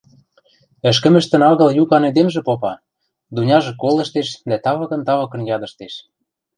Ӹшкӹмӹштӹн агыл юкан эдемжӹ попа, Дуняжы колыштеш дӓ тавыкын-тавыкын ядыштеш.